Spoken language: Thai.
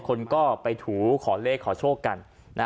คนก็ไปถูขอเลขขอโชคกัน